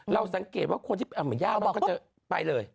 เราสังเกตว่าคนที่มะยาวเราก็จะไปเลย